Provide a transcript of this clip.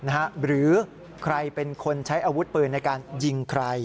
หรือใครเป็นคนใช้อาวุธปืนในการยิงใคร